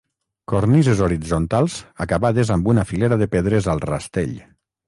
Cornises horitzontals acabades amb una filera de pedres al rastell.